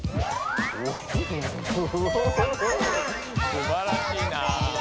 すばらしいな。